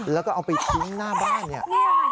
แล้วก็เอาไปทิ้งหน้าบ้านเนี่ย